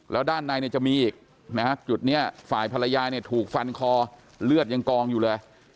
แล้วด้านในเนี่ยจะมีอีกนะฮะจุดนี้ฝ่ายภรรยาเนี่ยถูกฟันคอเลือดยังกองอยู่เลย